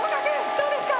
どうですか？